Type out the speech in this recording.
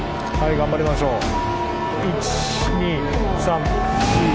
はい頑張りましょう。